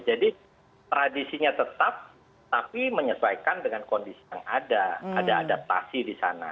jadi tradisinya tetap tapi menyesuaikan dengan kondisi yang ada ada adaptasi di sana